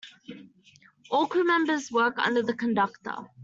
All crew members work under the conductor.